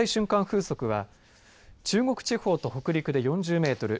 風速は中国地方と北陸で４０メートル